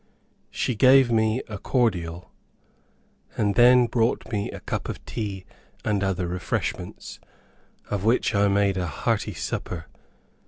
She gave, me a cordial, and then brought me a cup of tea and other refreshments, of which I made a hearty supper.